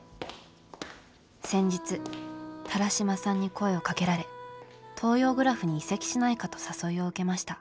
先日田良島さんに声をかけられ東洋グラフに移籍しないかと誘いを受けました」。